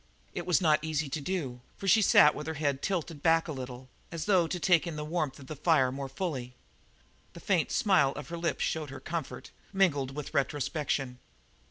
It was not easy to do, for she sat with her head tilted back a little, as though to take the warmth of the fire more fully. The faint smile on her lips showed her comfort, mingled with retrospection.